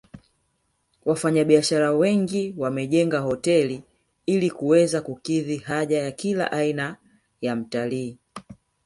Wafanyabiashara wengi wamejenga hoteli ili kuweza kukidhi haja ya kila aina ya mtalii